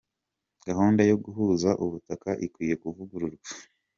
Gahunda yo guhuza ubutaka ikwiye kuvugururwa.